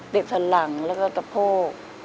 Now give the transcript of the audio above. ติดทางหลังแล้วก็ตะโพก